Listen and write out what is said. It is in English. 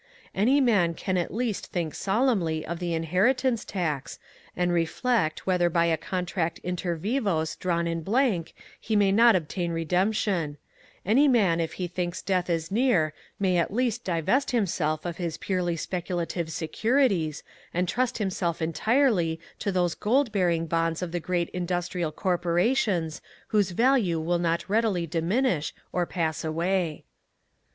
Any man can at least think solemnly of the Inheritance Tax, and reflect whether by a contract inter vivos drawn in blank he may not obtain redemption; any man if he thinks death is near may at least divest himself of his purely speculative securities and trust himself entirely to those gold bearing bonds of the great industrial corporations whose value will not readily diminish or pass away."